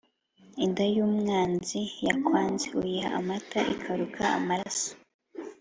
Inda y’umwanzi (yakwanze) uyiha amata ikaruka amaraso.